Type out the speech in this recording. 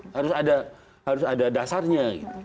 harus ada dasarnya